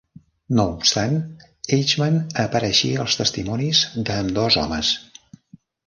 No obstant, Eichmann apareixia als testimonis d'ambdós homes.